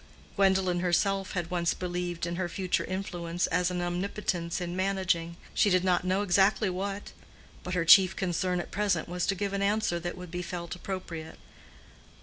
Gwendolen herself had once believed in her future influence as an omnipotence in managing—she did not know exactly what. But her chief concern at present was to give an answer that would be felt appropriate.